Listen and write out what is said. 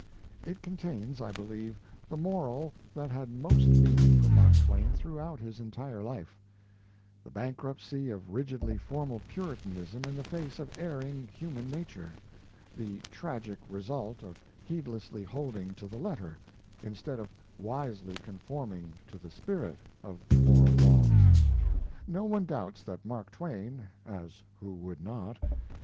It contains, I believe, the moral that had most meaning for Mark Twain throughout his entire life the bankruptcy of rigidly formal Puritanism in the face of erring human nature, the tragic result of heedlessly holding to the letter, instead of wisely conforming to the spirit, of moral law. No one doubts that Mark Twain as who would not?